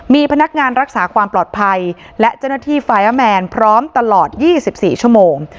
มีพนักงานรักษาความปลอดภัยและเจ้าหน้าที่ไฟอาร์แมนพร้อมตลอด๒๔ชั่วโมง